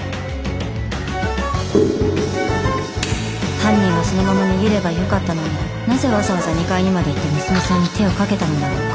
犯人はそのまま逃げればよかったのになぜわざわざ２階にまで行って娘さんに手を掛けたのだろうか。